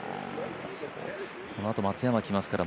このあと、松山が来ますから。